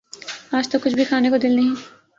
آج تو کچھ بھی کھانے کو دل نہیں